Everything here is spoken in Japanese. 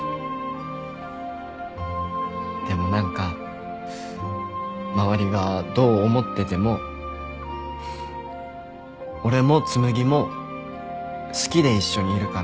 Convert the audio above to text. でも何か周りがどう思ってても俺も紬も好きで一緒にいるから。